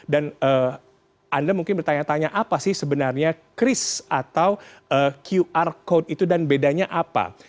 dan anda mungkin bertanya tanya apa sih sebenarnya cris atau qr code itu dan bedanya apa